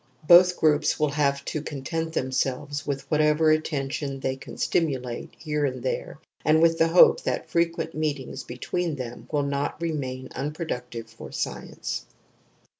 Both groups will have to content themselves with whatever attention they can stimulate here and there and with the hope that frequent meetings be tween them will not remain unproductive for science.